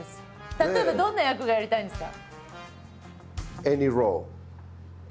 例えばどんな役がやりたいんですか？